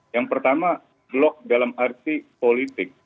yang pertama blok dalam arti politik